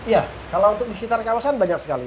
ya kalau untuk di sekitar kawasan banyak sekali